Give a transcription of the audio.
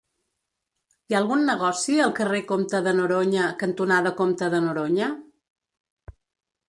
Hi ha algun negoci al carrer Comte de Noroña cantonada Comte de Noroña?